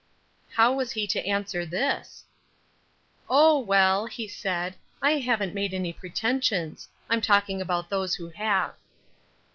How was he to answer this? "Oh, well," he said, "I haven't made any pretensions; I'm talking about those who have."